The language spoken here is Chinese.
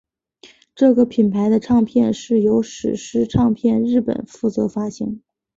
这个品牌的唱片是由史诗唱片日本负责发行。